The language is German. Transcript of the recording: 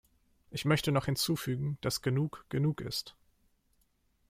Ich möchte noch hinzufügen, dass genug genug ist.